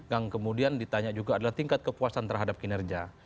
yang kemudian ditanya juga adalah tingkat kepuasan terhadap kinerja